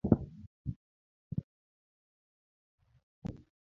Be ibiro ndikori ne somo no?